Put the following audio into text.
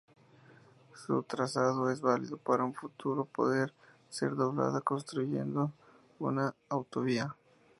Su trazado es válido para en un futuro poder ser desdoblada constituyendo una autovía.